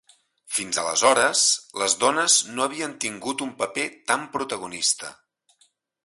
Fins aleshores, les dones no havien tingut un paper tan protagonista.